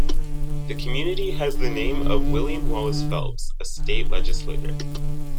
The community has the name of William Wallace Phelps, a state legislator.